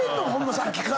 さっきから。